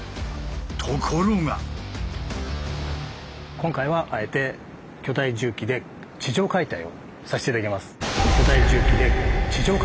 今回はあえて巨大重機で地上解体をさせて頂きます。